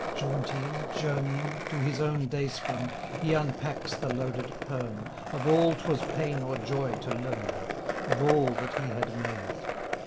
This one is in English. Jaunting, journeying To his own dayspring, He unpacks the loaded pern Of all 'twas pain or joy to learn, Of all that he had made.